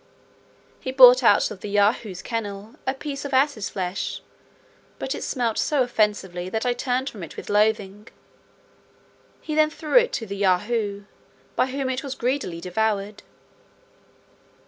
He brought out of the Yahoos' kennel a piece of ass's flesh; but it smelt so offensively that I turned from it with loathing: he then threw it to the Yahoo, by whom it was greedily devoured.